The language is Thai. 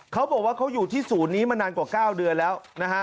เขาบอกว่าเขาอยู่ที่ศูนย์นี้มานานกว่า๙เดือนแล้วนะฮะ